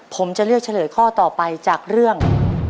ผมจะเลือกเฉลยข้อต่อไปจากเรื่อง